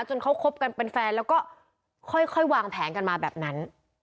จนเขาคบกันเป็นแฟนแล้วก็ค่อยวางแผนกันมาแบบนั้น